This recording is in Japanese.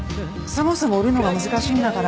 そもそも売るのが難しいんだから。